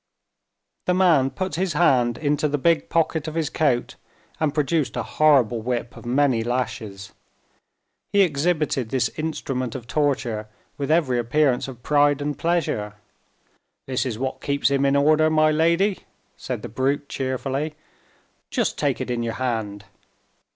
The man put his hand into the big pocket of his coat, and produced a horrible whip, of many lashes. He exhibited this instrument of torture with every appearance of pride and pleasure. "This is what keeps him in order, my lady," said the brute, cheerfully. "Just take it in your hand."